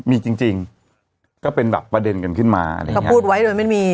มีจริงจริงก็เป็นแบบประเด็นกันขึ้นมาพูดไว้โดยไม่มี